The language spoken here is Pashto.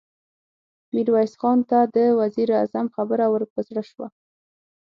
ميرويس خان ته د وزير اعظم خبره ور په زړه شوه.